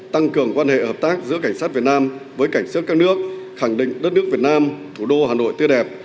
tăng cường quan hệ hợp tác giữa cảnh sát việt nam với cảnh sát các nước khẳng định đất nước việt nam thủ đô hà nội tươi đẹp